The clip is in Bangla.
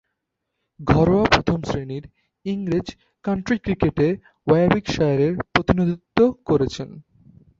ঘরোয়া প্রথম-শ্রেণীর ইংরেজ কাউন্টি ক্রিকেটে ওয়ারউইকশায়ারের প্রতিনিধিত্ব করেছেন।